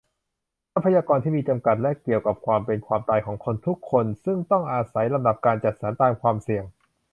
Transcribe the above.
ทรัพยากรที่มีจำกัด และเกี่ยวกับความเป็นความตายของคนทุกคน ซึ่งต้องอาศัยลำดับการจัดสรรตามความเสี่ยง